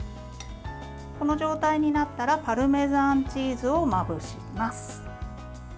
この状態になったらパルメザンチーズをまぶします。